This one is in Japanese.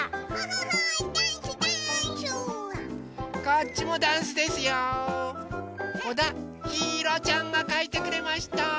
こだひいろちゃんがかいてくれました。